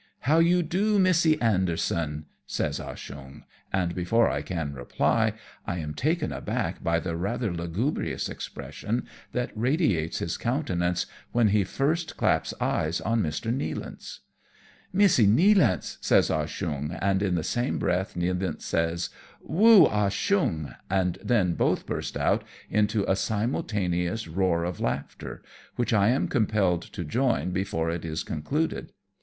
" How you do, Messee Anderson ?" says Ah Cheong, and, before I can reply, I am taken aback by the rather lugubrious expression that radiates his coun tenance when he first claps eyes on Mr. Nealance. "Messee Nealance," says Ah Cheong, and in the same breath Nealance says, " "Woo Ah Cheong," and then both burst out into a simultaneous roar of laughter, which I am compelled to join before it is concluded.